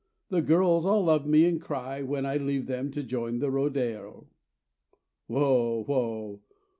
The girls all love me, and cry When I leave them to join the rodero. Whoa! Whoa!